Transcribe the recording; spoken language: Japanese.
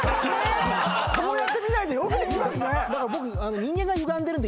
こうやって見ないでよくできますね。